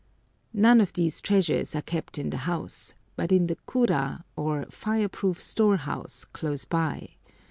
None of these treasures are kept in the house, but in the kura, or fireproof storehouse, close by.